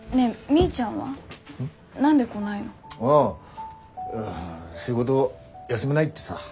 ああ仕事休めないってさ。